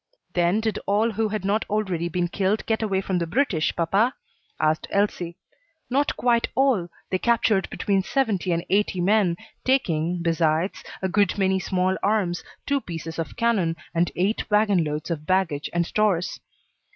"Then did all who had not already been killed get away from the British, papa?" asked Elsie. "Not quite all; they captured between seventy and eighty men, taking, besides, a good many small arms, two pieces of cannon, and eight wagon loads of baggage and stores."